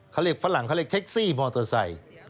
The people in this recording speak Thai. เขาเรียกฝรั่งเขาเรียกแท็กซี่มอเตอร์ไซค์